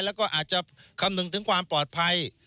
แล้วก็อาจจะคำนึงถึงความปลอดภัย